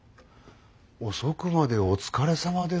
遅くまでお疲れさまです。